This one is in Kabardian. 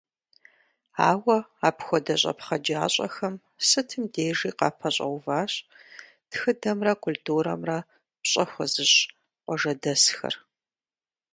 Ауэ апхуэдэ щӀэпхъаджащӀэхэм сытым дежи къапэщӀэуващ тхыдэмрэ культурэмрэ пщӀэ хуэзыщӀ къуажэдэсхэр.